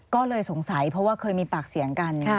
ก็เลยสงสัยเพราะว่าเคยมีปากเสียงกัน